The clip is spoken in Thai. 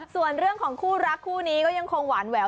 ส่วนเรื่องของคู่รักคู่นี้ก็ยังคงหวานแหวว